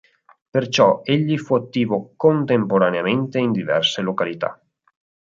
Perciò egli fu attivo contemporaneamente in diverse località.